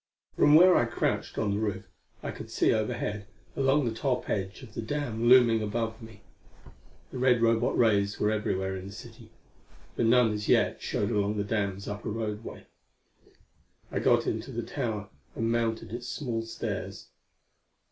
From where I crouched on the roof, I could see overhead, along the top edge of the dam looming above me. The red Robot rays were everywhere in the city, but none as yet showed along the dam's upper roadway. I got into the tower and mounted its small stairs.